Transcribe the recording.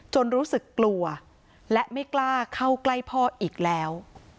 รู้สึกกลัวและไม่กล้าเข้าใกล้พ่ออีกแล้ว